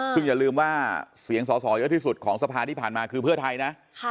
ซึ่งอย่าลืมว่าเสียงสอสอเยอะที่สุดของสภาที่ผ่านมาคือเพื่อไทยนะ